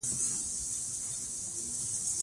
پور اخیستل باید په احتیاط وشي.